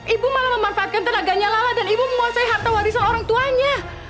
ibu malah memanfaatkan tenaganya lala dan ibu menguasai harta warisan orang tuanya